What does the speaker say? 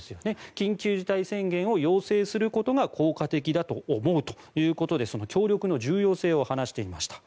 緊急事態宣言を要請することが効果的だと思うということで協力の重要性を話していました。